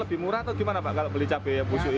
lebih murah atau gimana pak kalau beli cabai busuk